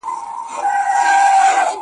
د ميرويس خان نيکه کورنۍ په کوم ځای کي اوسېده؟